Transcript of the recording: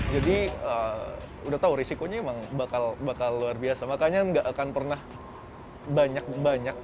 jadi udah tahu risikonya emang bakal luar biasa makanya nggak akan pernah banyak banyak